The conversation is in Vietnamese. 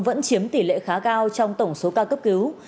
vẫn chiếm tỷ lệ khá cao trong tổng số ca cấp cứu